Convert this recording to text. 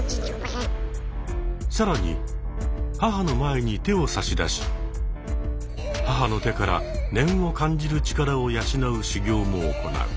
更に母の前に手を差し出し母の手から念を感じる力を養う修行も行う。